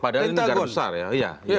padahal ini negara besar ya